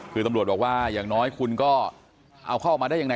คือตำรวจบอกว่าอย่างน้อยคุณก็เอาเข้ามาได้ยังไง